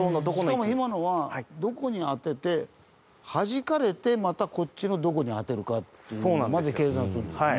しかも今のはどこに当ててはじかれてまたこっちのどこに当てるかっていうのまで計算するんですよね？